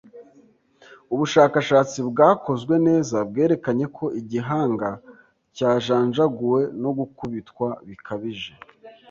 Ubushakashatsi bwakozwe neza bwerekanye ko igihanga cyajanjaguwe no gukubitwa bikabije.